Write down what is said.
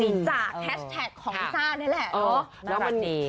จากแฮชแท็กของสาวนี้แหละ